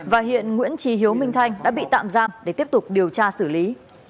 và hiện nguyễn trí hiếu minh thanh đã bị tạm giam để tiếp tục điều tra xử lý